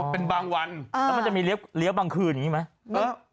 เป็นบางวันเออแล้วมันจะมีเลี้ยวเลี้ยวบางคืนอย่างงี้ไหมเออ